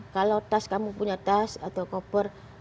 kalau tas kamu punya tas atau koper